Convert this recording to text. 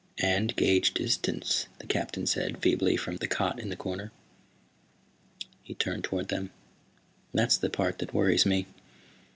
"And gauged distance," the Captain said feebly from the cot in the corner. He turned toward them. "That's the part that worries me.